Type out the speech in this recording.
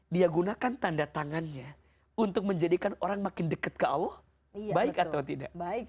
dia gunakan tanda tangannya untuk menjadikan orang makin dekat ke allah baik atau tidak